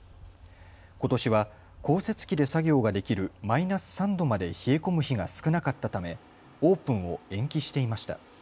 ことしは降雪機で作業ができるマイナス３度まで冷え込む日が少なかったためオープンを延期していました。